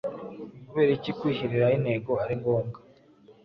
Kubera iki kwihyiriraho intego ari ngombwa